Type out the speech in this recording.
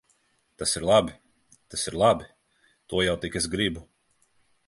Tas ir labi! Tas ir labi! To jau tik es gribu.